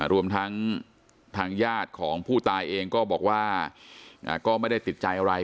รวมทั้งทางญาติของผู้ตายเองก็บอกว่าก็ไม่ได้ติดใจอะไร